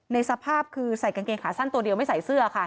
สภาพคือใส่กางเกงขาสั้นตัวเดียวไม่ใส่เสื้อค่ะ